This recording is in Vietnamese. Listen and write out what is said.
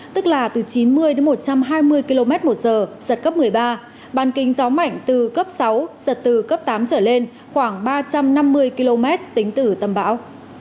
tức là từ chín mươi đến một trăm hai mươi km một giờ giật cấp một mươi ba bàn kính gió mạnh từ cấp sáu giật từ cấp tám trở lên khoảng ba trăm năm mươi km tính từ tâm bão